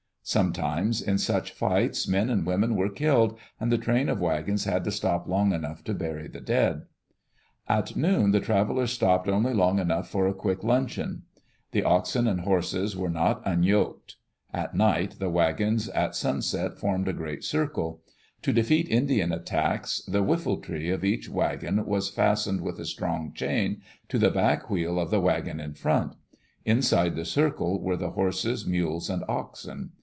Sometimes in such fights men and women were killed, and the train of wagons had to stop long enough to bury the dead. At noon the travelers stopped only long enough for a quick luncheon. The oxen and horses were not unyoked. Digitized by VjOOQ IC EARLY DAYS IN OLD OREGON At night, the wagons at sunset formed a great circle. To defeat Indian attacks the whiffletree of each wagon was fastened with a strong chain to the back wheel of die wagon In front Inside the circle were the horses, mules, and oxen.